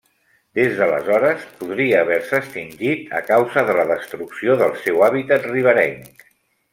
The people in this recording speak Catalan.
Des d'aleshores, podria haver-se extingit a causa de la destrucció del seu hàbitat riberenc.